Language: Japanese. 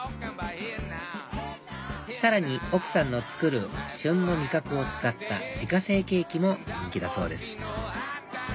さらに奥さんの作る旬の味覚を使った自家製ケーキも人気だそうです